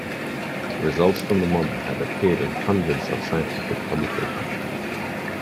Results from the model have appeared in hundreds of scientific publications.